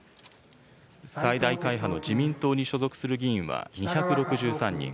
最大会派の自民党に所属する議員は２６３人。